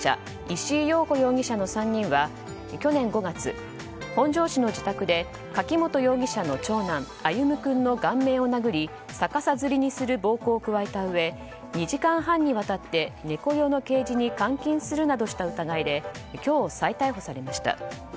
石井陽子容疑者の３人は去年５月、本庄市の自宅で柿本容疑者の長男歩夢君の顔面を殴り逆さづりにする暴行を加えたうえ２時間半にわたって猫用のケージに監禁するなどした疑いで今日、再逮捕されました。